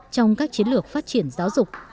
trong các chiến lược phát triển giáo dục